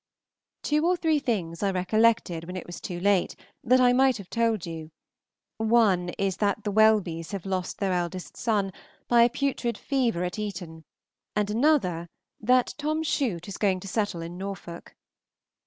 Two or three things I recollected when it was too late, that I might have told you; one is that the Welbys have lost their eldest son by a putrid fever at Eton, and another that Tom Chute is going to settle in Norfolk.